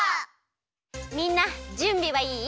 みんなじゅんびはいい？